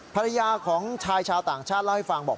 ภรรยาของชายชาวต่างชาติเล่าให้ฟังบอก